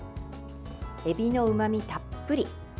エビのうまみたっぷり。